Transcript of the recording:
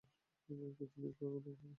কিছু নিউজপেপার দেওয়া হবে।